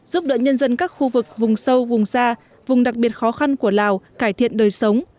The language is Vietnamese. giúp đỡ nhân dân các khu vực vùng sâu vùng xa vùng đặc biệt khó khăn của lào cải thiện đời sống